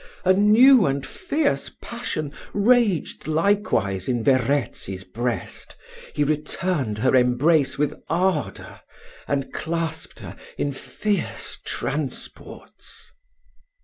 A new and fierce passion raged likewise in Verezzi's breast: he returned her embrace with ardour, and clasped her in fierce transports.